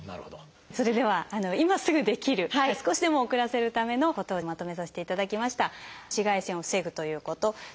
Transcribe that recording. それでは今すぐできる少しでも遅らせるためのことをまとめさせていただきました。